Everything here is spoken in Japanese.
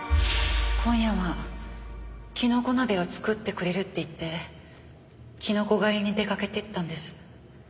今夜はキノコ鍋を作ってくれるって言ってキノコ狩りに出かけていったんです。